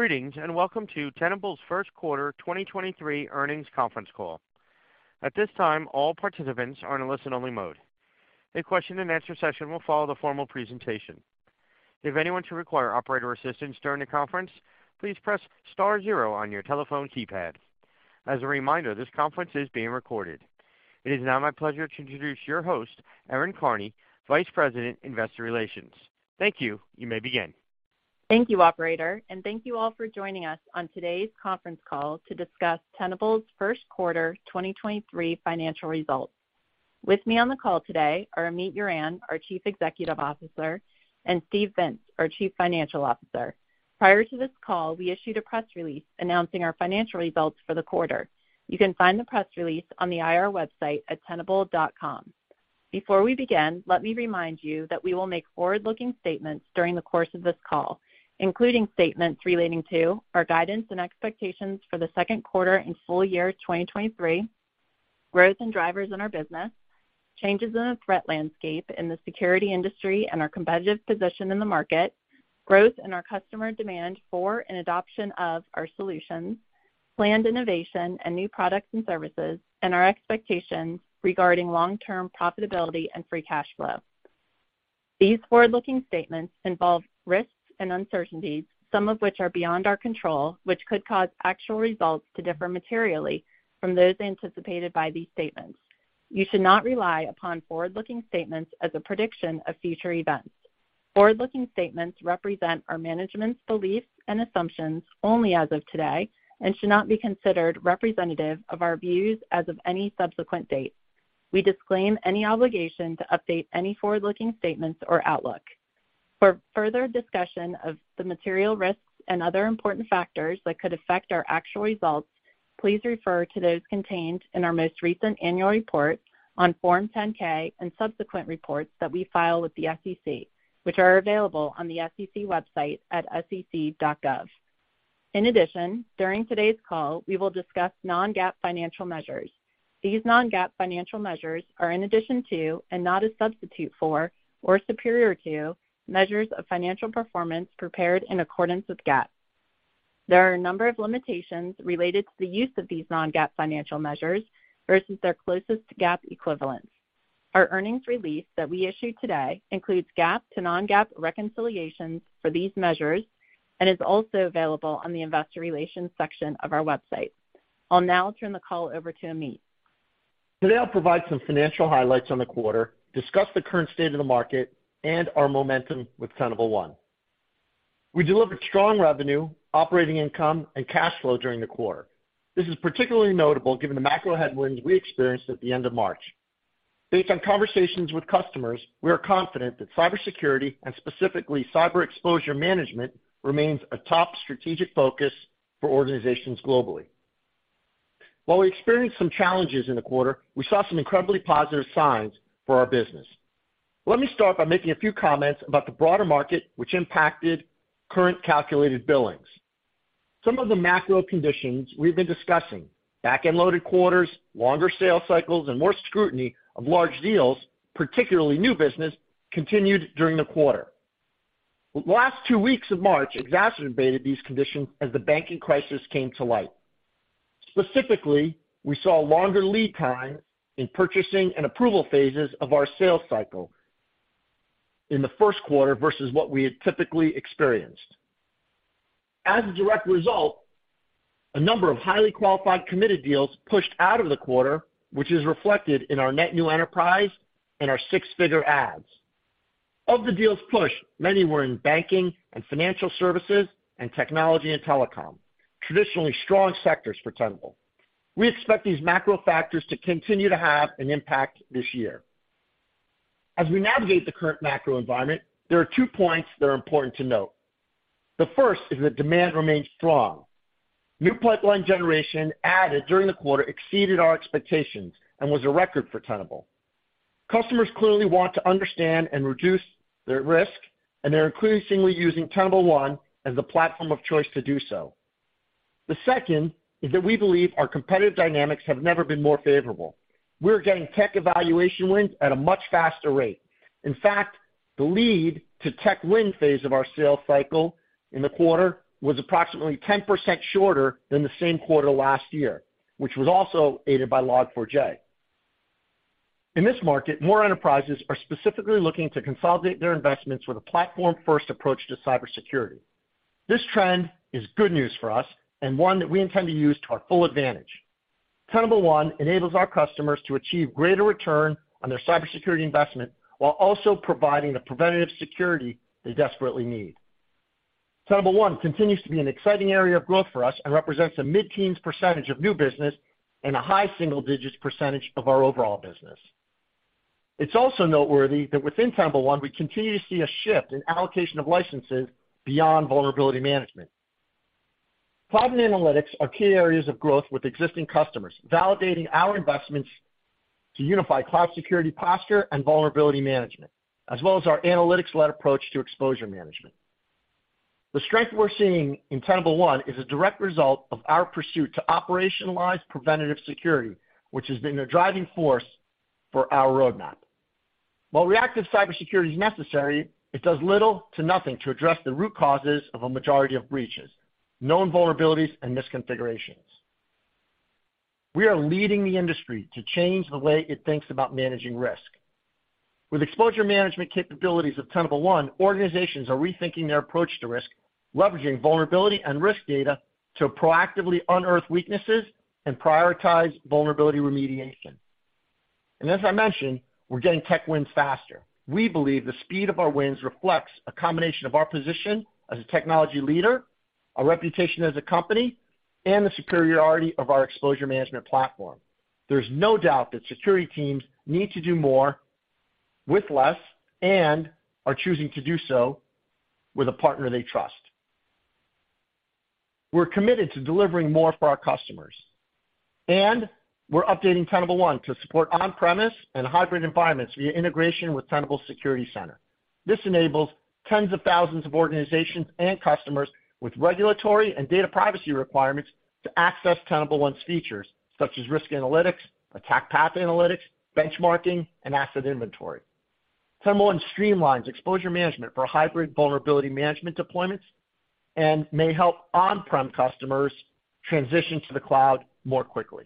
Greetings, and welcome to Tenable's Q1 2023 earnings conference call. At this time, all participants are in listen-only mode. A question and answer session will follow the formal presentation. If anyone should require operator assistance during the conference, please press star zero on your telephone keypad. As a reminder, this conference is being recorded. It is now my pleasure to introduce your host, Erin Karney, Vice President, Investor Relations. Thank you. You may begin. Thank you, operator, and thank you all for joining us on today's conference call to discuss Tenable's Q1 2023 financial results. With me on the call today are Amit Yoran, our Chief Executive Officer, and Steve Vintz, our Chief Financial Officer. Prior to this call, we issued a press release announcing our financial results for the quarter. You can find the press release on the IR website at tenable.com. Before we begin, let me remind you that we will make forward-looking statements during the course of this call, including statements relating to our guidance and expectations for the Q2 and full year 2023, growth and drivers in our business, changes in the threat landscape in the security industry and our competitive position in the market, growth in our customer demand for and adoption of our solutions, planned innovation and new products and services, and our expectations regarding long-term profitability and free cash flow. These forward-looking statements involve risks and uncertainties, some of which are beyond our control, which could cause actual results to differ materially from those anticipated by these statements. You should not rely upon forward-looking statements as a prediction of future events. Forward-looking statements represent our management's beliefs and assumptions only as of today and should not be considered representative of our views as of any subsequent date. We disclaim any obligation to update any forward-looking statements or outlook. For further discussion of the material risks and other important factors that could affect our actual results, please refer to those contained in our most recent annual report on Form 10-K and subsequent reports that we file with the SEC, which are available on the SEC website at sec.gov. During today's call, we will discuss non-GAAP financial measures. These non-GAAP financial measures are in addition to and not a substitute for or superior to measures of financial performance prepared in accordance with GAAP. There are a number of limitations related to the use of these non-GAAP financial measures versus their closest GAAP equivalents. Our earnings release that we issued today includes GAAP to non-GAAP reconciliations for these measures and is also available on the investor relations section of our website. I'll now turn the call over to Amit. Today, I'll provide some financial highlights on the quarter, discuss the current state of the market and our momentum with Tenable One. We delivered strong revenue, operating income, and cash flow during the quarter. This is particularly notable given the macro headwinds we experienced at the end of March. Based on conversations with customers, we are confident that cybersecurity and specifically cyber exposure management remains a top strategic focus for organizations globally. While we experienced some challenges in the quarter, we saw some incredibly positive signs for our business. Let me start by making a few comments about the broader market, which impacted current calculated billings. Some of the macro conditions we've been discussing, back-end loaded quarters, longer sales cycles, and more scrutiny of large deals, particularly new business, continued during the quarter. The last two weeks of March exacerbated these conditions as the banking crisis came to light. Specifically, we saw longer lead time in purchasing and approval phases of our sales cycle in the 1st quarter versus what we had typically experienced. As a direct result, a number of highly qualified committed deals pushed out of the quarter, which is reflected in our net new enterprise and our 6-figure adds. Of the deals pushed, many were in banking and financial services and technology and telecom, traditionally strong sectors for Tenable. We expect these macro factors to continue to have an impact this year. As we navigate the current macro environment, there are 2 points that are important to note. The first is that demand remains strong. New pipeline generation added during the quarter exceeded our expectations and was a record for Tenable. Customers clearly want to understand and reduce their risk, and they're increasingly using Tenable One as the platform of choice to do so. The second is that we believe our competitive dynamics have never been more favorable. We're getting tech evaluation wins at a much faster rate. In fact, the lead to tech win phase of our sales cycle in the quarter was approximately 10% shorter than the same quarter last year, which was also aided by Log4j. In this market, more enterprises are specifically looking to consolidate their investments with a platform-first approach to cybersecurity. This trend is good news for us and one that we intend to use to our full advantage. Tenable One enables our customers to achieve greater return on their cybersecurity investment while also providing the preventative security they desperately need. Tenable One continues to be an exciting area of growth for us and represents a mid-teens % of new business and a high single-digit % of our overall business. It's also noteworthy that within Tenable One, we continue to see a shift in allocation of licenses beyond vulnerability management. Cloud analytics are key areas of growth with existing customers, validating our investments to unify cloud security posture and vulnerability management, as well as our analytics-led approach to exposure management. The strength we're seeing in Tenable One is a direct result of our pursuit to operationalize preventative security, which has been a driving force for our roadmap. While reactive cybersecurity is necessary, it does little to nothing to address the root causes of a majority of breaches, known vulnerabilities, and misconfigurations. We are leading the industry to change the way it thinks about managing risk. With exposure management capabilities of Tenable One, organizations are rethinking their approach to risk, leveraging vulnerability and risk data to proactively unearth weaknesses and prioritize vulnerability remediation. As I mentioned, we're getting tech wins faster. We believe the speed of our wins reflects a combination of our position as a technology leader, our reputation as a company, and the superiority of our exposure management platform. There's no doubt that security teams need to do more with less and are choosing to do so with a partner they trust. We're committed to delivering more for our customers. We're updating Tenable One to support on-premise and hybrid environments via integration with Tenable Security Center. This enables tens of thousands of organizations and customers with regulatory and data privacy requirements to access Tenable One's features, such as risk analytics, attack path analytics, benchmarking, and asset inventory. Tenable One streamlines exposure management for hybrid vulnerability management deployments and may help on-prem customers transition to the cloud more quickly.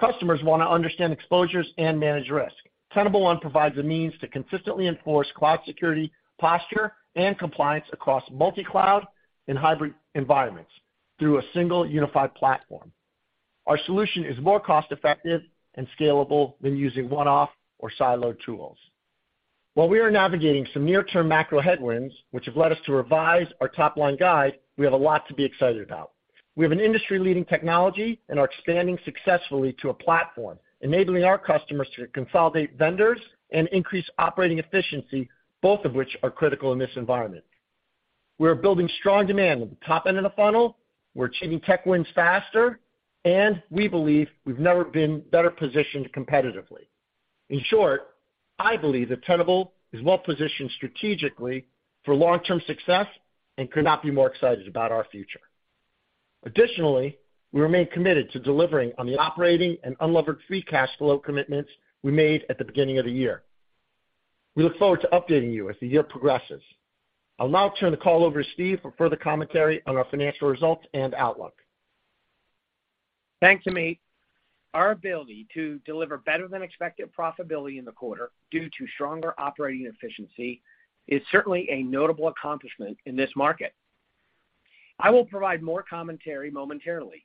Customers want to understand exposures and manage risk. Tenable One provides a means to consistently enforce cloud security posture and compliance across multi-cloud and hybrid environments through a single unified platform. Our solution is more cost-effective and scalable than using one-off or siloed tools. While we are navigating some near-term macro headwinds, which have led us to revise our top-line guide, we have a lot to be excited about. We have an industry-leading technology and are expanding successfully to a platform, enabling our customers to consolidate vendors and increase operating efficiency, both of which are critical in this environment. We are building strong demand at the top end of the funnel. We're achieving tech wins faster, and we believe we've never been better positioned competitively. In short, I believe that Tenable is well-positioned strategically for long-term success and could not be more excited about our future. Additionally, we remain committed to delivering on the operating and unlevered free cash flow commitments we made at the beginning of the year. We look forward to updating you as the year progresses. I'll now turn the call over to Steve for further commentary on our financial results and outlook. Thanks, Amit. Our ability to deliver better than expected profitability in the quarter due to stronger operating efficiency is certainly a notable accomplishment in this market. I will provide more commentary momentarily.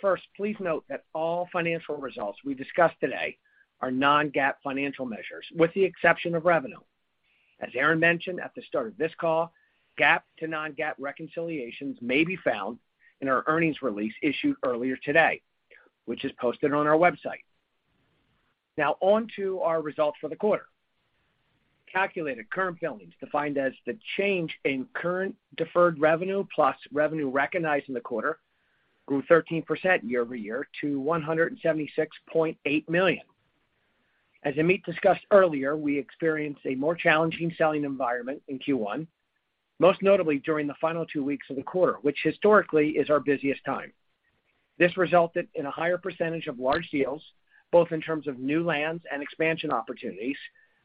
First, please note that all financial results we discuss today are non-GAAP financial measures, with the exception of revenue. As Erin mentioned at the start of this call, GAAP to non-GAAP reconciliations may be found in our earnings release issued earlier today, which is posted on our website. On to our results for the quarter. Calculated current billings, defined as the change in current deferred revenue plus revenue recognized in the quarter, grew 13% year-over-year to $176.8 million. As Amit discussed earlier, we experienced a more challenging selling environment in Q1, most notably during the final two weeks of the quarter, which historically is our busiest time. This resulted in a higher percentage of large deals, both in terms of new lands and expansion opportunities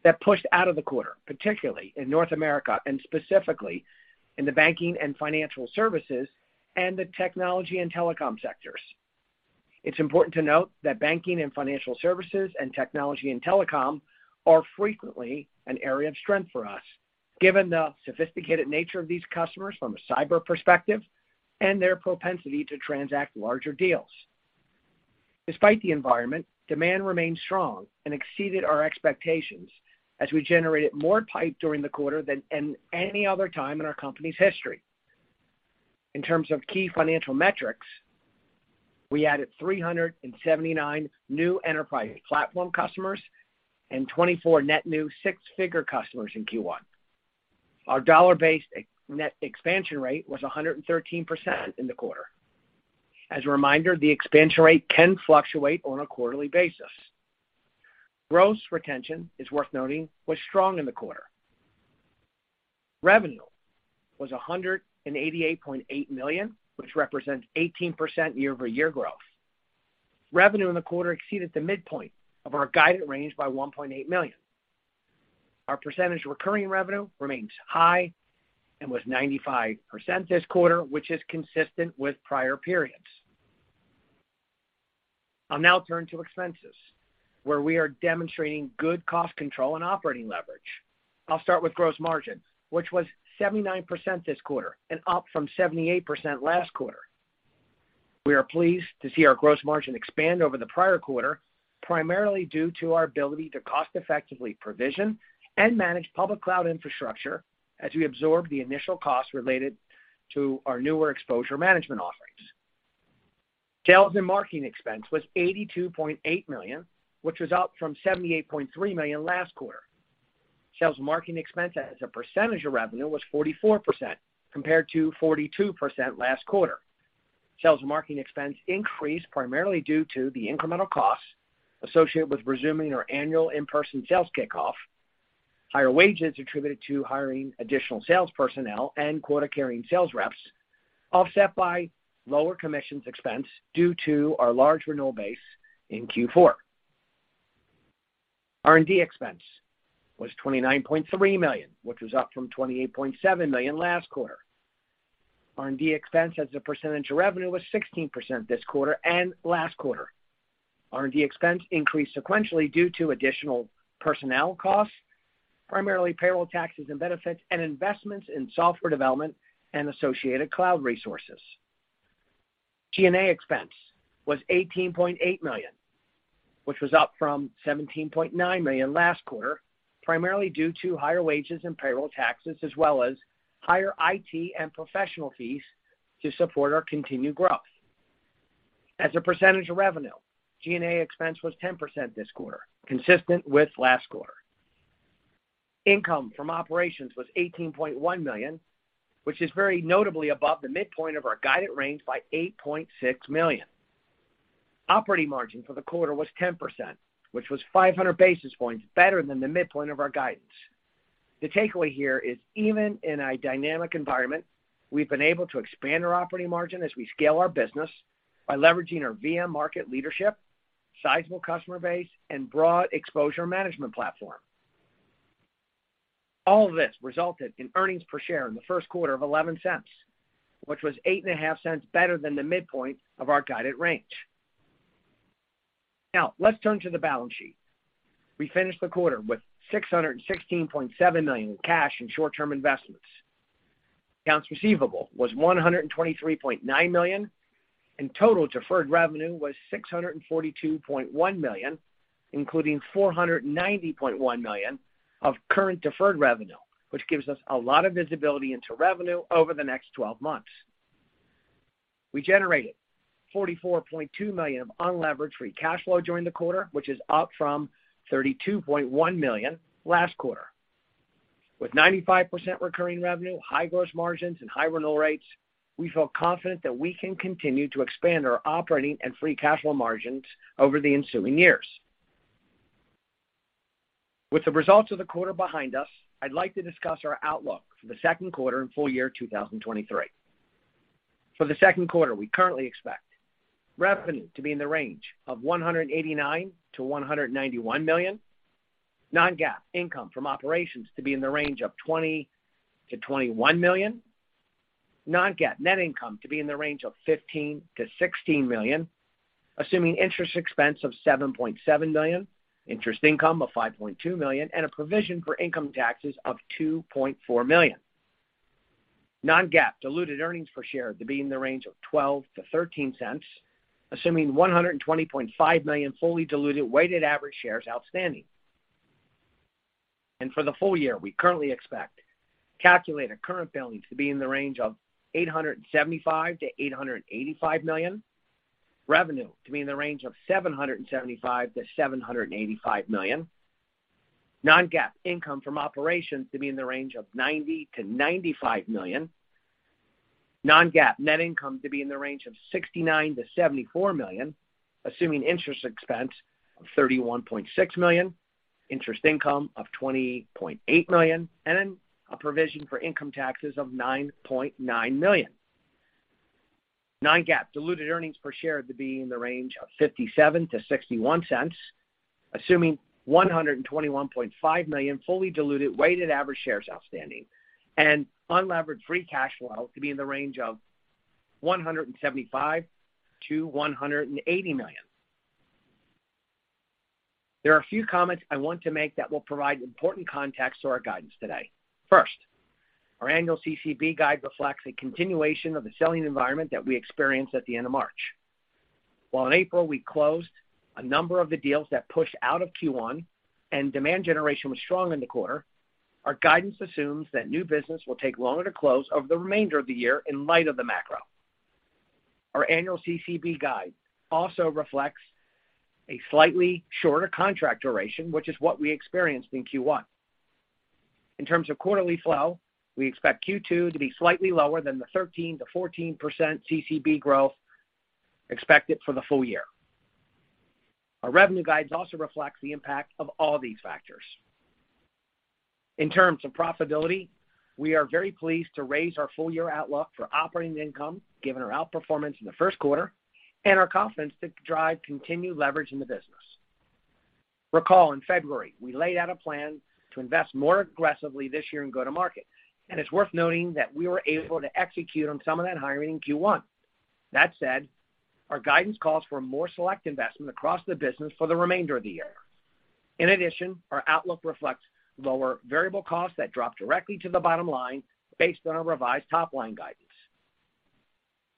that pushed out of the quarter, particularly in North America and specifically in the banking and financial services and the technology and telecom sectors. It's important to note that banking and financial services and technology and telecom are frequently an area of strength for us, given the sophisticated nature of these customers from a cyber perspective and their propensity to transact larger deals. Despite the environment, demand remained strong and exceeded our expectations as we generated more pipe during the quarter than in any other time in our company's history. In terms of key financial metrics, we added 379 new enterprise platform customers and 24 net new six-figure customers in Q1. Our dollar-based net expansion rate was 113% in the quarter. As a reminder, the expansion rate can fluctuate on a quarterly basis. Gross retention, it's worth noting, was strong in the quarter. Revenue was $188.8 million, which represents 18% year-over-year growth. Revenue in the quarter exceeded the midpoint of our guided range by $1.8 million. Our percentage recurring revenue remains high and was 95% this quarter, which is consistent with prior periods. I'll now turn to expenses, where we are demonstrating good cost control and operating leverage. I'll start with gross margin, which was 79% this quarter and up from 78% last quarter. We are pleased to see our gross margin expand over the prior quarter, primarily due to our ability to cost-effectively provision and manage public cloud infrastructure as we absorb the initial costs related to our newer exposure management offerings. Sales and marketing expense was $82.8 million, which was up from $78.3 million last quarter. Sales marketing expense as a percentage of revenue was 44%, compared to 42% last quarter. Sales marketing expense increased primarily due to the incremental costs associated with resuming our annual in-person sales kickoff. Higher wages attributed to hiring additional sales personnel and quota-carrying sales reps, offset by lower commissions expense due to our large renewal base in Q4. R&D expense was $29.3 million, which was up from $28.7 million last quarter. R&D expense as a percentage of revenue was 16% this quarter and last quarter. R&D expense increased sequentially due to additional personnel costs, primarily payroll taxes and benefits, and investments in software development and associated cloud resources. G&A expense was $18.8 million, which was up from $17.9 million last quarter, primarily due to higher wages and payroll taxes, as well as higher IT and professional fees to support our continued growth. As a percentage of revenue, G&A expense was 10% this quarter, consistent with last quarter. Income from operations was $18.1 million, which is very notably above the midpoint of our guided range by $8.6 million. Operating margin for the quarter was 10%, which was 500 basis points better than the midpoint of our guidance. The takeaway here is even in a dynamic environment, we've been able to expand our operating margin as we scale our business by leveraging our VM market leadership, sizable customer base, and broad exposure management platform. All of this resulted in earnings per share in the Q1 of $0.11, which was $0.085 better than the midpoint of our guided range. Let's turn to the balance sheet. We finished the quarter with $616.7 million in cash and short-term investments. Accounts receivable was $123.9 million, total deferred revenue was $642.1 million, including $490.1 million of current deferred revenue, which gives us a lot of visibility into revenue over the next 12 months. We generated $44.2 million of unlevered free cash flow during the quarter, which is up from $32.1 million last quarter. With 95% recurring revenue, high gross margins, and high renewal rates, we feel confident that we can continue to expand our operating and free cash flow margins over the ensuing years. With the results of the quarter behind us, I'd like to discuss our outlook for the Q2 and full year 2023. For the Q2, we currently expect revenue to be in the range of $189 million-$191 million, non-GAAP income from operations to be in the range of $20 million-$21 million. Non-GAAP net income to be in the range of $15 million-$16 million, assuming interest expense of $7.7 million, interest income of $5.2 million, and a provision for income taxes of $2.4 million. Non-GAAP diluted earnings per share to be in the range of $0.12-$0.13, assuming 120.5 million fully diluted weighted average shares outstanding. For the full year, we currently expect calculated current billings to be in the range of $875 million-$885 million. Revenue to be in the range of $775 million-$785 million. Non-GAAP income from operations to be in the range of $90 million-$95 million. Non-GAAP net income to be in the range of $69 million-$74 million, assuming interest expense of $31.6 million, interest income of $20.8 million, and a provision for income taxes of $9.9 million. Non-GAAP diluted earnings per share to be in the range of $0.57-$0.61, assuming 121.5 million fully diluted weighted average shares outstanding. Unlevered free cash flow to be in the range of $175 million-$180 million. There are a few comments I want to make that will provide important context to our guidance today. Our annual CCB guide reflects a continuation of the selling environment that we experienced at the end of March. In April we closed a number of the deals that pushed out of Q1 and demand generation was strong in the quarter, our guidance assumes that new business will take longer to close over the remainder of the year in light of the macro. Our annual CCB guide also reflects a slightly shorter contract duration, which is what we experienced in Q1. We expect Q2 to be slightly lower than the 13%-14% CCB growth expected for the full year. Our revenue guides also reflects the impact of all these factors. In terms of profitability, we are very pleased to raise our full-year outlook for operating income given our outperformance in the Q1 and our confidence to drive continued leverage in the business. Recall in February, we laid out a plan to invest more aggressively this year in go-to-market, and it's worth noting that we were able to execute on some of that hiring in Q1. That said, our guidance calls for more select investment across the business for the remainder of the year. In addition, our outlook reflects lower variable costs that drop directly to the bottom line based on our revised top-line guidance.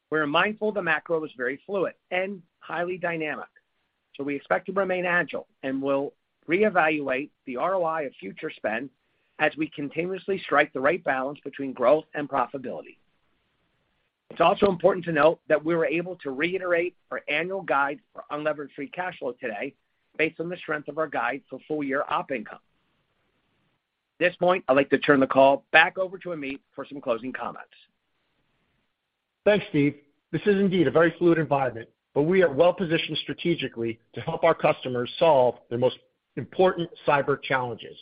We're mindful the macro is very fluid and highly dynamic, so we expect to remain agile, and we'll reevaluate the ROI of future spend as we continuously strike the right balance between growth and profitability. It's also important to note that we were able to reiterate our annual guide for unlevered free cash flow today based on the strength of our guide for full-year op income. At this point, I'd like to turn the call back over to Amit for some closing comments. Thanks, Steve. This is indeed a very fluid environment. We are well-positioned strategically to help our customers solve their most important cyber challenges.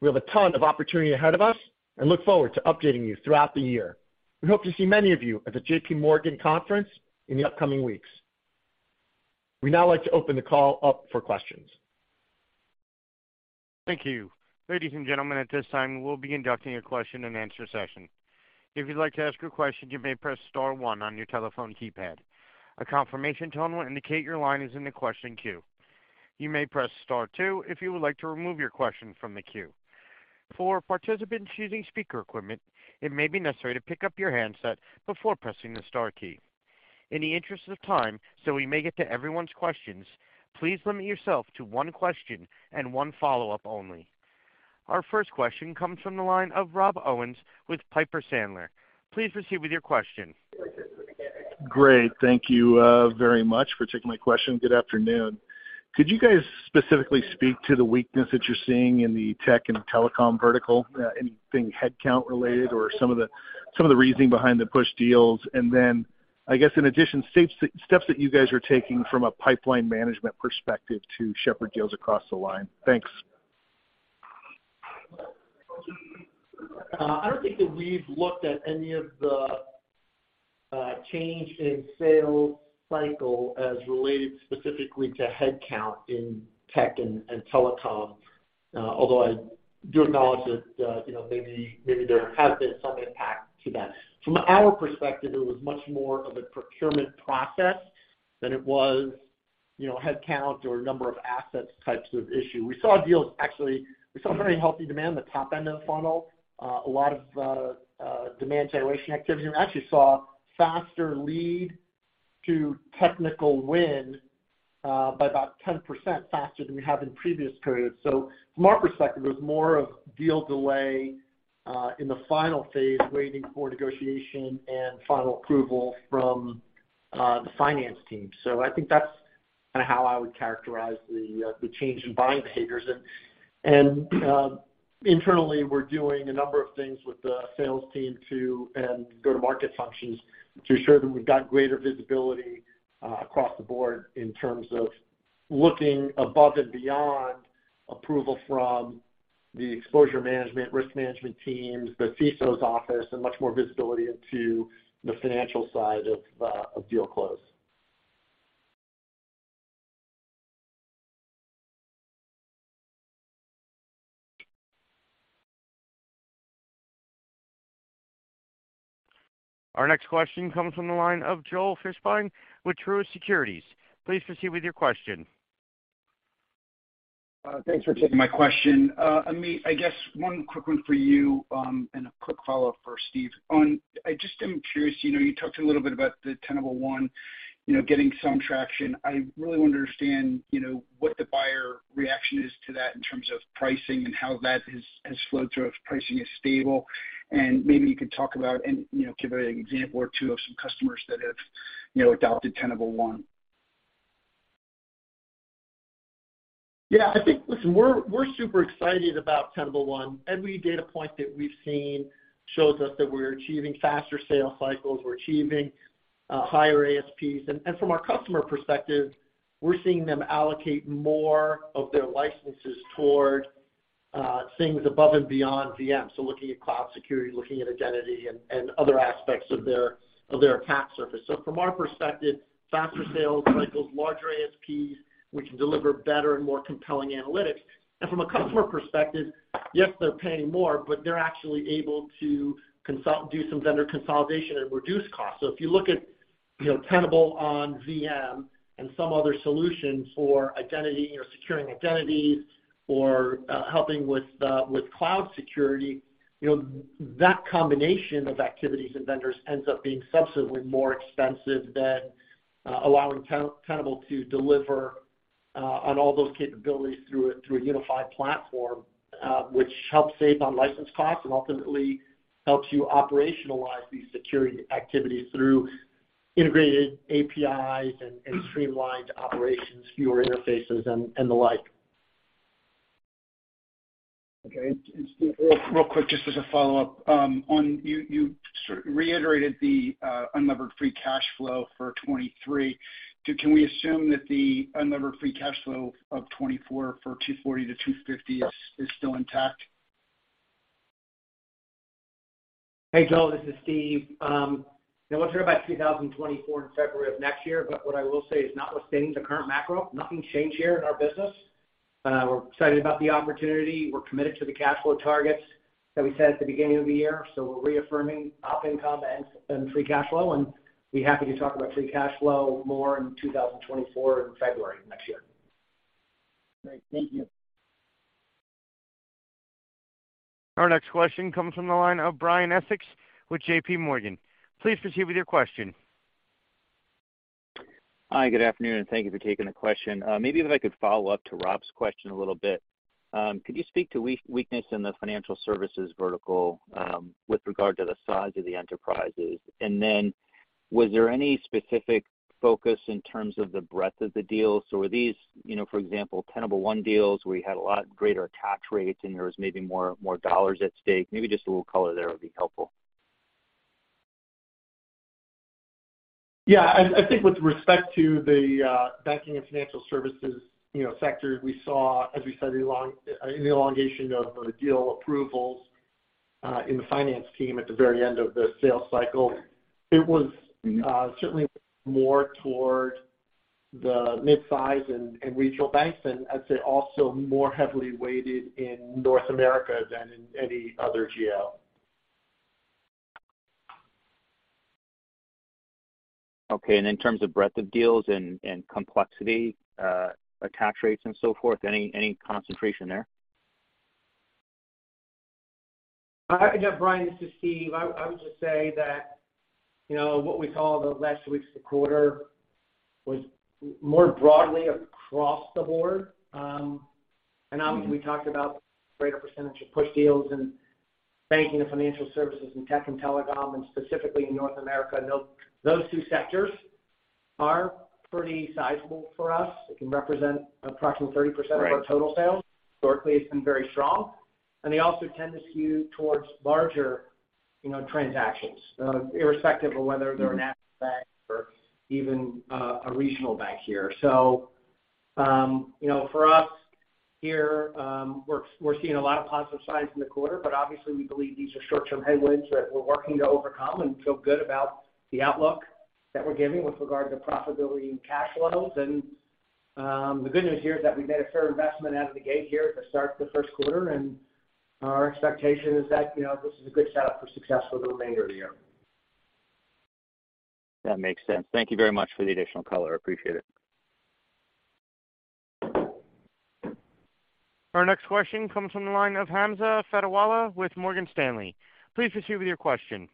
We have a ton of opportunity ahead of us and look forward to updating you throughout the year. We hope to see many of you at the JPMorgan conference in the upcoming weeks. We'd now like to open the call up for questions. Thank you. Ladies and gentlemen, at this time, we'll be inducting a question-and-answer session. If you'd like to ask a question, you may press star one on your telephone keypad. A confirmation tone will indicate your line is in the question queue. You may press star two if you would like to remove your question from the queue. For participants using speaker equipment, it may be necessary to pick up your handset before pressing the star key. In the interest of time, so we may get to everyone's questions, please limit yourself to one question and one follow-up only. Our first question comes from the line of Rob Owens with Piper Sandler. Please proceed with your question. Great. Thank you very much for taking my question. Good afternoon. Could you guys specifically speak to the weakness that you're seeing in the tech and telecom vertical, anything headcount related or some of the reasoning behind the push deals? I guess in addition, steps that you guys are taking from a pipeline management perspective to shepherd deals across the line. Thanks. I don't think that we've looked at any of the change in sales cycle as related specifically to headcount in tech and telecom, although I do acknowledge that, you know, maybe there has been some impact to that. From our perspective, it was much more of a procurement process than it was, you know, headcount or number of assets types of issue. We saw very healthy demand in the top end of the funnel, a lot of demand generation activity. We actually saw faster lead to technical win, by about 10% faster than we have in previous periods. From our perspective, it was more of deal delay, in the final phase, waiting for negotiation and final approval from the finance team. I think that's how I would characterize the change in buying behaviors. Internally, we're doing a number of things with the sales team and go-to-market functions to ensure that we've got greater visibility across the board in terms of looking above and beyond approval from the exposure management, risk management teams, the CISO's office, and much more visibility into the financial side of deal close. Our next question comes from the line of Joel Fishbein with Truist Securities. Please proceed with your question. Thanks for taking my question. Amit, I guess one quick one for you, and a quick follow-up for Steve. I just am curious, you know, you talked a little bit about the Tenable One, you know, getting some traction. I really want to understand, you know, what the buyer reaction is to that in terms of pricing and how that has flowed through, if pricing is stable. Maybe you could talk about and, you know, give an example or two of some customers that have, you know, adopted Tenable One. Yeah, Listen, we're super excited about Tenable One. Every data point that we've seen shows us that we're achieving faster sales cycles, we're achieving higher ASPs. From our customer perspective, we're seeing them allocate more of their licenses toward things above and beyond VM. Looking at cloud security, looking at identity and other aspects of their attack surface. From our perspective, faster sales cycles, larger ASPs, we can deliver better and more compelling analytics. From a customer perspective, yes, they're paying more, but they're actually able to do some vendor consolidation and reduce costs. If you look at, you know, Tenable on VM and some other solutions for identity or securing identities or helping with cloud security, you know, that combination of activities and vendors ends up being substantially more expensive than allowing Tenable to deliver on all those capabilities through a unified platform, which helps save on license costs and ultimately helps you operationalize these security activities through integrated APIs and streamlined operations, fewer interfaces and the like. Okay. Steve, real quick, just as a follow-up. You sort reiterated the unlevered free cash flow for 2023. Can we assume that the unlevered free cash flow of 2024 for $240 million-$250 million is still intact? Hey, Joel, this is Steve. you know, we'll hear about 2024 in February of next year. What I will say is notwithstanding the current macro, nothing's changed here in our business. We're excited about the opportunity. We're committed to the cash flow targets that we set at the beginning of the year. We're reaffirming op income and free cash flow, and be happy to talk about free cash flow more in 2024 in February next year. Great. Thank you. Our next question comes from the line of Brian Essex with JPMorgan. Please proceed with your question. Hi, good afternoon, and thank you for taking the question. Maybe if I could follow up to Rob's question a little bit. Could you speak to weakness in the financial services vertical, with regard to the size of the enterprises? Was there any specific focus in terms of the breadth of the deals? Were these, you know, for example, Tenable One deals where you had a lot greater attach rates and there was maybe more dollars at stake? Maybe just a little color there would be helpful. Yeah, I think with respect to the banking and financial services, you know, sector, we saw, as we said, an elongation of the deal approvals in the finance team at the very end of the sales cycle.... certainly more toward the midsize and regional banks, and I'd say also more heavily weighted in North America than in any other GL. Okay. in terms of breadth of deals and complexity, attach rates and so forth, any concentration there? I can jump, Brian. This is Steve. I would just say that, you know, what we call the last weeks of the quarter was more broadly across the board. Obviously we talked about greater percentage of push deals in banking and financial services and tech and telecom, and specifically in North America. Those two sectors are pretty sizable for us. It can represent approximately 30%. Right of our total sales. Historically, it's been very strong. They also tend to skew towards larger, you know, transactions, irrespective of whether they're a national bank or even a regional bank here. You know, for us here, we're seeing a lot of positive signs in the quarter, but obviously we believe these are short-term headwinds that we're working to overcome and feel good about the outlook that we're giving with regard to profitability and cash flows. The good news here is that we made a fair investment out of the gate here at the start of the Q1, and our expectation is that, you know, this is a good setup for success for the remainder of the year. That makes sense. Thank you very much for the additional color. Appreciate it. Our next question comes from the line of Hamza Fodderwala with Morgan Stanley. Please proceed with your question.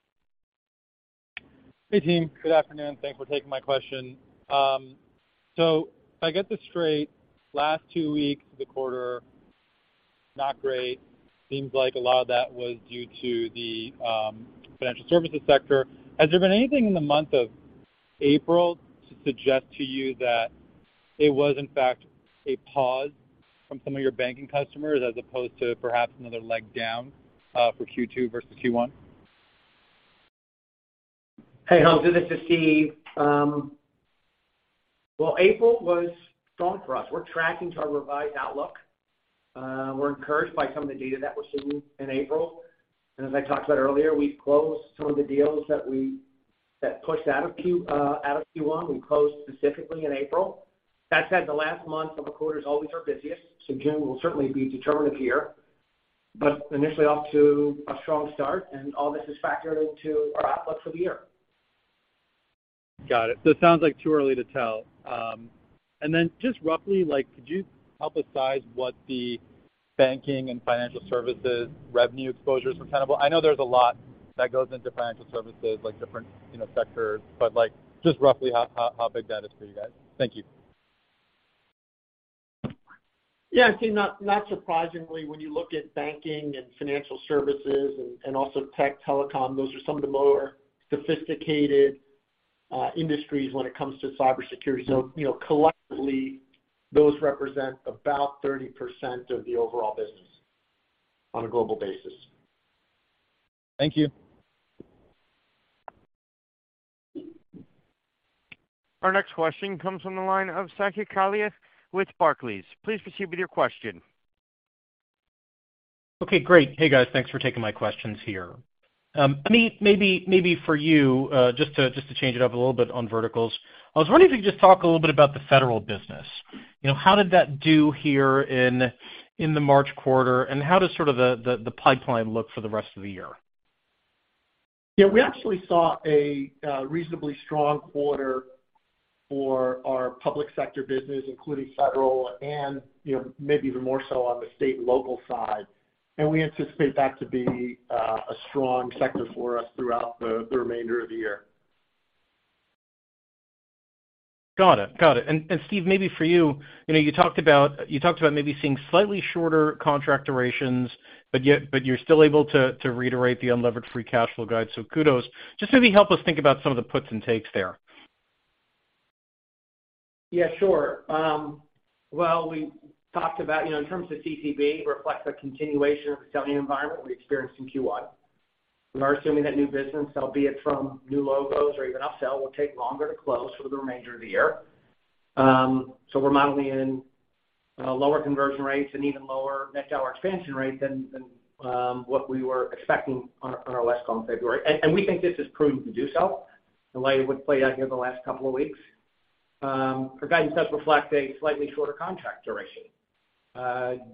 Hey, team. Good afternoon. Thanks for taking my question. If I get this straight, last two weeks of the quarter, not great. Seems like a lot of that was due to the financial services sector. Has there been anything in the month of April to suggest to you that it was in fact a pause from some of your banking customers as opposed to perhaps another leg down for Q2 versus Q1? Hey, Hamza. This is Steve. Well, April was strong for us. We're tracking to our revised outlook. We're encouraged by some of the data that we're seeing in April. As I talked about earlier, we've closed some of the deals that pushed out of Q1. We closed specifically in April. That said, the last month of a quarter is always our busiest, so June will certainly be determinative here. Initially off to a strong start, and all this is factored into our outlook for the year. Got it. It sounds like too early to tell. Just roughly, like, could you help us size what the banking and financial services revenue exposure is from Tenable? I know there's a lot that goes into financial services, like different, you know, sectors, but, like, just roughly how big that is for you guys. Thank you. Yeah. I'd say not surprisingly, when you look at banking and financial services and also tech, telecom, those are some of the more sophisticated industries when it comes to cybersecurity. You know, collectively, those represent about 30% of the overall business on a global basis. Thank you. Our next question comes from the line of Saket Kalia with Barclays. Please proceed with your question. Okay, great. Hey, guys. Thanks for taking my questions here. Amit, maybe for you, just to change it up a little bit on verticals, I was wondering if you could just talk a little bit about the federal business. You know, how did that do here in the March quarter, and how does sort of the pipeline look for the rest of the year? Yeah, we actually saw a reasonably strong quarter for our public sector business, including federal and, you know, maybe even more so on the state and local side. We anticipate that to be a strong sector for us throughout the remainder of the year. Got it. Got it. Steve, maybe for you know, you talked about maybe seeing slightly shorter contract durations, but you're still able to reiterate the unlevered free cash flow guide, so kudos. Just maybe help us think about some of the puts and takes there. Yeah, sure. Well, we talked about, you know, in terms of CCB, reflects a continuation of the selling environment we experienced in Q1. We are assuming that new business, albeit from new logos or even upsell, will take longer to close for the remainder of the year. We're modeling in lower conversion rates and even lower net dollar expansion rate than what we were expecting on our last call in February. We think this has proven to do so, the way it would play out here in the last couple of weeks. Our guidance does reflect a slightly shorter contract duration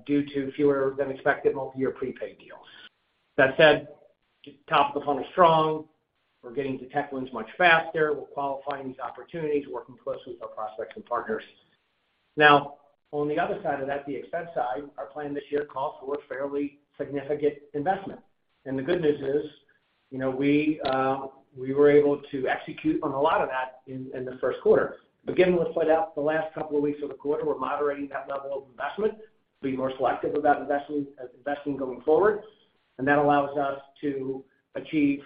due to fewer than expected multi-year prepaid deals. That said, top of the funnel's strong. We're getting to tech wins much faster. We're qualifying these opportunities, working closely with our prospects and partners. On the other side of that, the expense side, our plan this year calls for a fairly significant investment. The good news is, you know, we were able to execute on a lot of that in Q1. Given what's played out the last couple of weeks of the quarter, we're moderating that level of investment, being more selective about investing going forward, and that allows us to achieve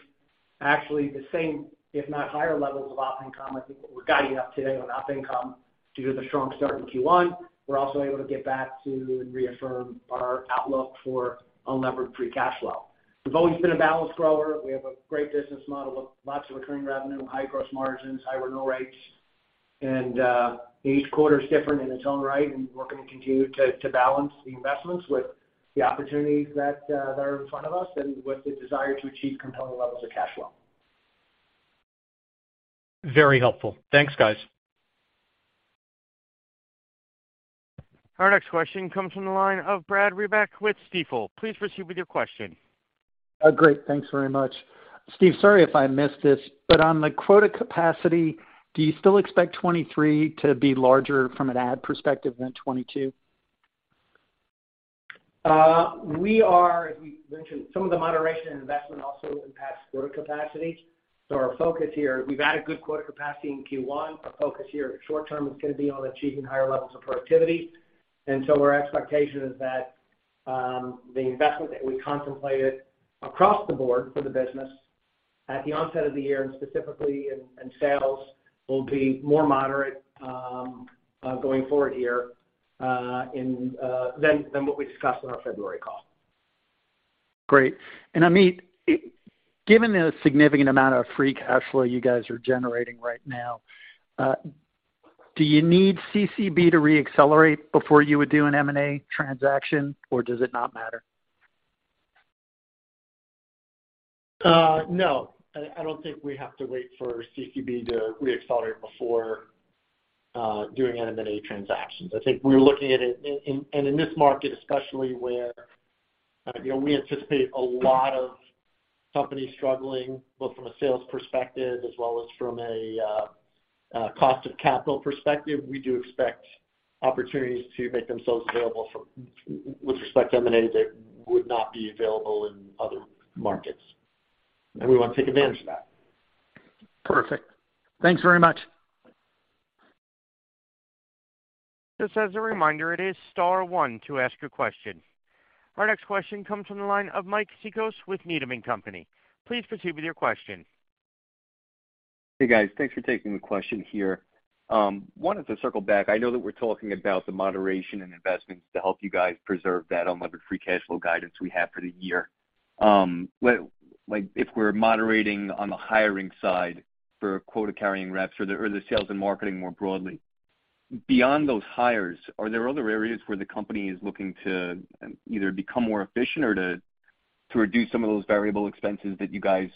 actually the same, if not higher, levels of op income. I think what we're guiding up today on op income due to the strong start in Q1. We're also able to get back to and reaffirm our outlook for unlevered free cash flow. We've always been a balanced grower. We have a great business model with lots of recurring revenue, high gross margins, high renewal rates. Each quarter is different in its own right, and we're gonna continue to balance the investments with the opportunities that are in front of us and with the desire to achieve compelling levels of cash flow. Very helpful. Thanks, guys. Our next question comes from the line of Brad Reback with Stifel. Please proceed with your question. Great. Thanks very much. Steve, sorry if I missed this, but on the quota capacity, do you still expect 23 to be larger from an ad perspective than 22? As we mentioned, some of the moderation in investment also impacts quota capacity. Our focus here, we've added good quota capacity in Q1. Our focus here short term is gonna be on achieving higher levels of productivity. Our expectation is that the investment that we contemplated across the board for the business at the onset of the year and specifically in sales will be more moderate going forward here in than what we discussed on our February call. Great. Amit, given the significant amount of free cash flow you guys are generating right now, do you need CCB to reaccelerate before you would do an M&A transaction, or does it not matter? No, I don't think we have to wait for CCB to reaccelerate before doing an M&A transaction. I think we're looking at it and in this market especially where, you know, we anticipate a lot of companies struggling both from a sales perspective as well as from a cost of capital perspective, we do expect opportunities to make themselves available for with respect to M&A that would not be available in other markets. We want to take advantage of that. Perfect. Thanks very much. Just as a reminder, it is star 1 to ask your question. Our next question comes from the line of Mike Cikos with Needham and Company. Please proceed with your question. Hey, guys. Thanks for taking the question here. Wanted to circle back. I know that we're talking about the moderation in investments to help you guys preserve that unlevered free cash flow guidance we have for the year. But, like, if we're moderating on the hiring side for quota-carrying reps or the sales and marketing more broadly, beyond those hires, are there other areas where the company is looking to either become more efficient or to reduce some of those variable expenses that you guys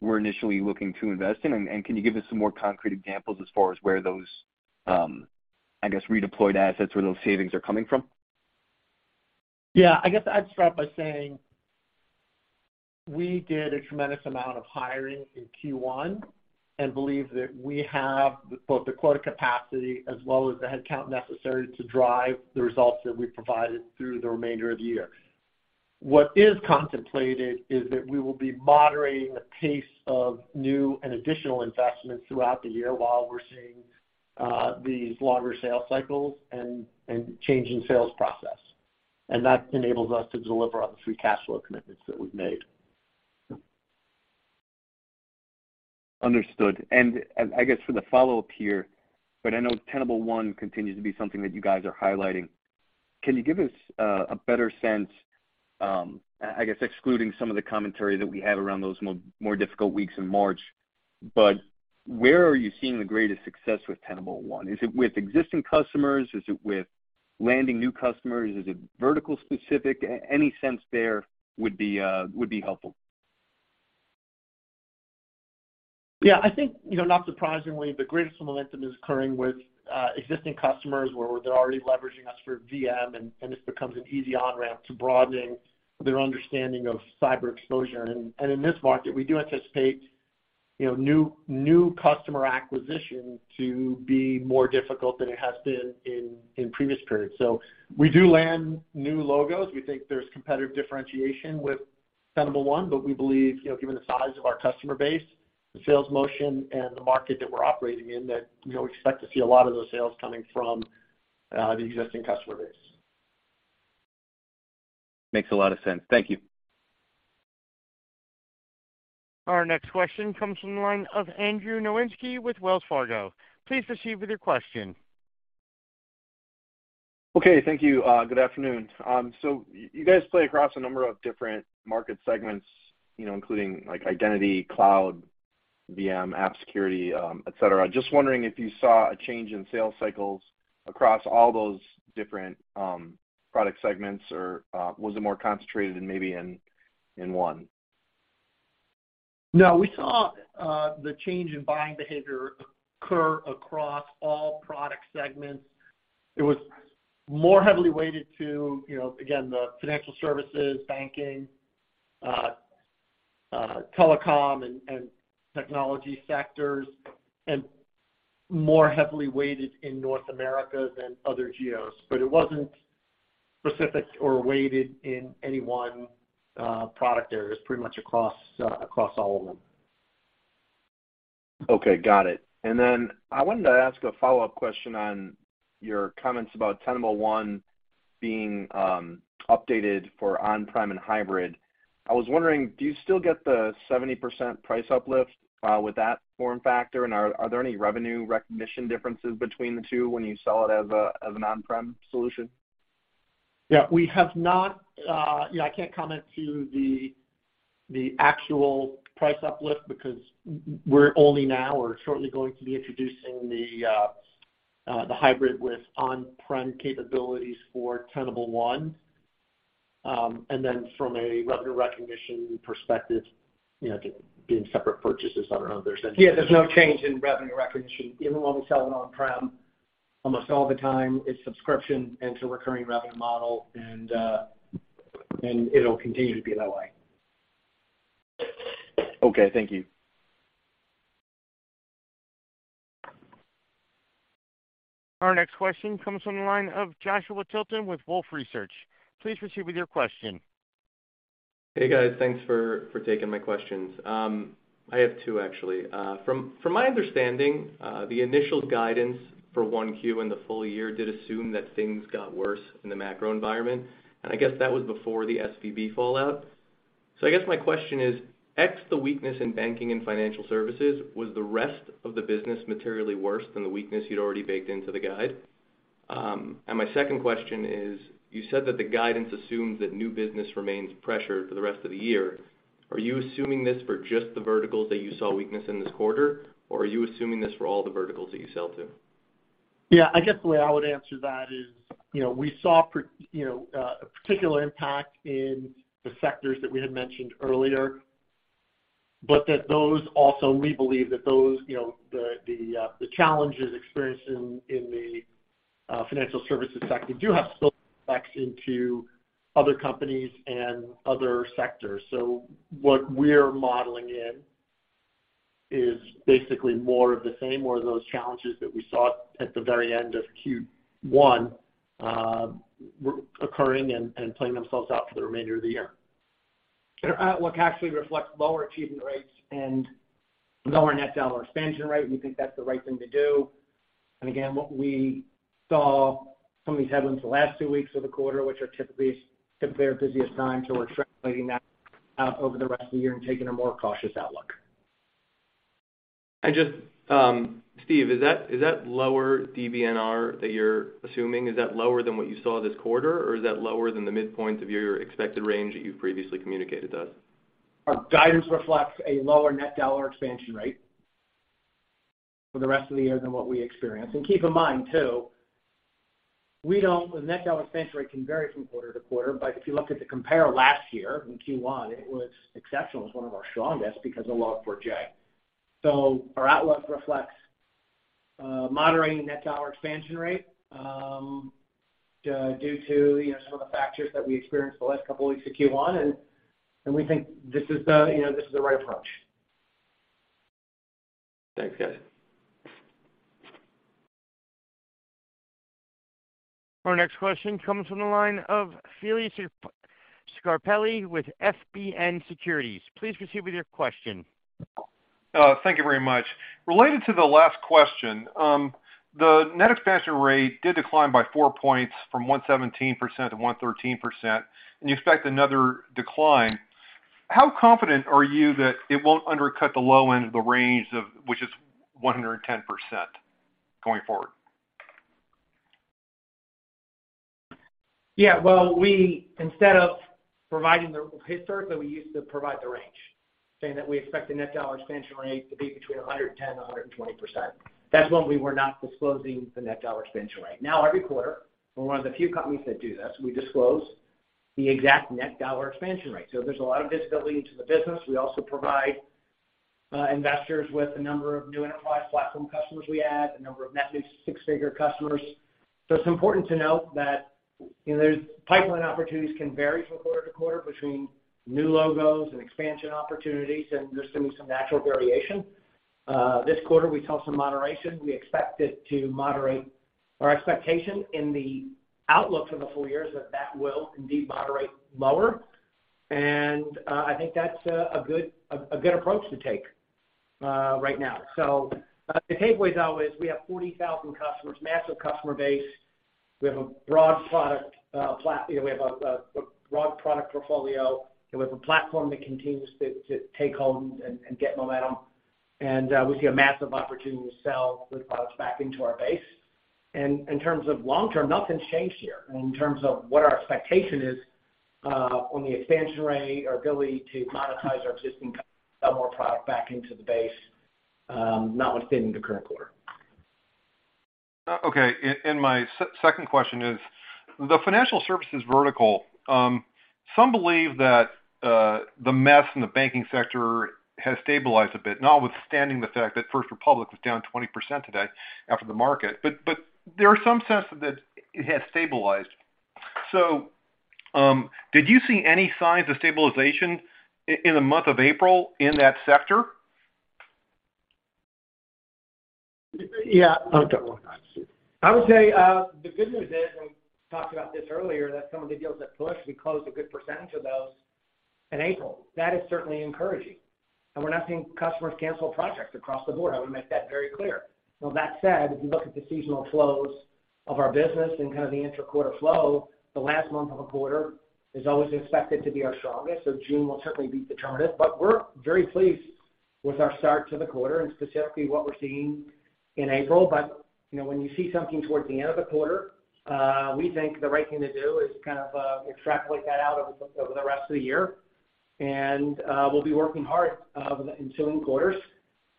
were initially looking to invest in? And can you give us some more concrete examples as far as where those, I guess, redeployed assets or those savings are coming from? I guess I'd start by saying we did a tremendous amount of hiring in Q1 and believe that we have both the quota capacity as well as the headcount necessary to drive the results that we've provided through the remainder of the year. What is contemplated is that we will be moderating the pace of new and additional investments throughout the year while we're seeing these longer sales cycles and change in sales process. That enables us to deliver on the free cash flow commitments that we've made. Understood. I guess for the follow-up here, but I know Tenable One continues to be something that you guys are highlighting. Can you give us a better sense, I guess excluding some of the commentary that we had around those more difficult weeks in March, but where are you seeing the greatest success with Tenable One? Is it with existing customers? Is it with landing new customers? Is it vertical specific? Any sense there would be helpful. Yeah. I think, you know, not surprisingly, the greatest momentum is occurring with existing customers where they're already leveraging us for VM, and this becomes an easy on-ramp to broadening their understanding of cyber exposure. In this market, we do anticipate, you know, new customer acquisition to be more difficult than it has been in previous periods. We do land new logos. We think there's competitive differentiation with Tenable One, but we believe, you know, given the size of our customer base, the sales motion and the market that we're operating in, that, you know, we expect to see a lot of those sales coming from the existing customer base. Makes a lot of sense. Thank you. Our next question comes from the line of Andrew Nowinski with Wells Fargo. Please proceed with your question. Okay. Thank you. Good afternoon. You guys play across a number of different market segments, you know, including like identity, cloud, VM, app security, et cetera. Just wondering if you saw a change in sales cycles across all those different product segments, or was it more concentrated maybe in one? We saw the change in buying behavior occur across all product segments. It was more heavily weighted to, you know, again, the financial services, banking, telecom and technology sectors, and more heavily weighted in North America than other geos. It wasn't specific or weighted in any one product area. It's pretty much across all of them. Okay. Got it. I wanted to ask a follow-up question on your comments about Tenable One being updated for on-prem and hybrid. I was wondering, do you still get the 70% price uplift with that form factor? Are there any revenue recognition differences between the two when you sell it as an on-prem solution? We have not. I can't comment to the actual price uplift because we're only now or shortly going to be introducing the hybrid with on-prem capabilities for Tenable One. From a revenue recognition perspective, you know, being separate purchases, I don't know if there's any. There's no change in revenue recognition. Even when we sell an on-prem, almost all the time, it's subscription, and it's a recurring revenue model, and it'll continue to be that way. Okay, thank you. Our next question comes from the line of Joshua Tilton with Wolfe Research. Please proceed with your question. Hey, guys. Thanks for taking my questions. I have two actually. From my understanding, the initial guidance for 1 Q in the full year did assume that things got worse in the macro environment, I guess that was before the SVB fallout. I guess my question is, x the weakness in banking and financial services, was the rest of the business materially worse than the weakness you'd already baked into the guide? My second question is, you said that the guidance assumes that new business remains pressured for the rest of the year. Are you assuming this for just the verticals that you saw weakness in this quarter, or are you assuming this for all the verticals that you sell to? Yeah, I guess the way I would answer that is, you know, we saw, you know, a particular impact in the sectors that we had mentioned earlier, but that those we believe that those, you know, the challenges experienced in the financial services sector do have spill effects into other companies and other sectors. What we're modeling in is basically more of the same, more of those challenges that we saw at the very end of Q1, occurring and playing themselves out for the remainder of the year. Our outlook actually reflects lower achievement rates and lower dollar-based net expansion rate. We think that's the right thing to do. Again, what we saw some of these headwinds the last two weeks of the quarter, which are typically typically our busiest time, we're translating that out over the rest of the year and taking a more cautious outlook. Just, Steve, is that lower DBNR that you're assuming, is that lower than what you saw this quarter, or is that lower than the midpoint of your expected range that you've previously communicated to us? Our guidance reflects a lower net dollar expansion rate for the rest of the year than what we experienced. Keep in mind too, the net dollar expansion rate can vary from quarter to quarter, but if you look at the compare last year in Q1, it was exceptional. It was one of our strongest because of Log4j. Our outlook reflects moderating net dollar expansion rate due to, you know, some of the factors that we experienced the last couple of weeks of Q1, and we think this is the, you know, this is the right approach. Thanks, guys. Our next question comes from the line of Shebly Seyrafi with FBN Securities. Please proceed with your question. Thank you very much. Related to the last question, the net expansion rate did decline by four points from 117% to 113%, and you expect another decline. How confident are you that it won't undercut the low end of the range of which is 110% going forward? Well, instead of providing historically, we used to provide the range, saying that we expect the net dollar expansion rate to be between 110%-120%. That's when we were not disclosing the net dollar expansion rate. Now every quarter, we're one of the few companies that do this, we disclose the exact net dollar expansion rate. There's a lot of visibility into the business. We also provide investors with a number of new enterprise platform customers we add, a number of net new six-figure customers. It's important to note that, you know, pipeline opportunities can vary from quarter to quarter between new logos and expansion opportunities, and there's gonna be some natural variation. This quarter we saw some moderation. We expect it to moderate our expectation in the outlook for the full year is that that will indeed moderate lower. I think that's a good, a good approach to take right now. The takeaway is always we have 40,000 customers, massive customer base. We have a broad product, you know, we have a broad product portfolio, and we have a platform that continues to take hold and get momentum. We see a massive opportunity to sell good products back into our base. In terms of long term, nothing's changed here. In terms of what our expectation is on the expansion rate, our ability to monetize our existing customers, sell more product back into the base, not within the current quarter. Okay. My second question is, the financial services vertical, some believe that the mess in the banking sector has stabilized a bit, notwithstanding the fact that First Republic was down 20% today after the market. There are some sense that it has stabilized. Did you see any signs of stabilization in the month of April in that sector? Yeah. I'll take that one. I would say, the good news is, we talked about this earlier, that some of the deals that pushed, we closed a good percentage of those in April. That is certainly encouraging. We're not seeing customers cancel projects across the board. I would make that very clear. With that said, if you look at the seasonal flows of our business and kind of the inter-quarter flow, the last month of a quarter is always expected to be our strongest. June will certainly be the chartist. We're very pleased with our start to the quarter and specifically what we're seeing in April. You know, when you see something towards the end of the quarter, we think the right thing to do is kind of, extrapolate that out over the rest of the year. We'll be working hard in ensuing quarters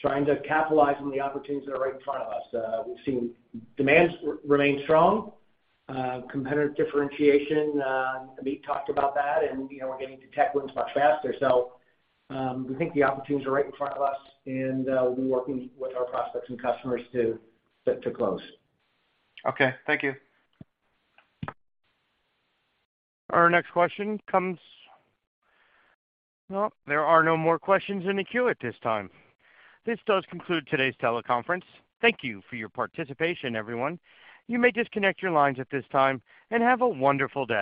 trying to capitalize on the opportunities that are right in front of us. We've seen demands remain strong, competitive differentiation, Amit talked about that, and, you know, we're getting to tech wins much faster. We think the opportunities are right in front of us, we'll be working with our prospects and customers to close. Okay. Thank you. Well, there are no more questions in the queue at this time. This does conclude today's teleconference. Thank you for your participation, everyone. You may disconnect your lines at this time, and have a wonderful day.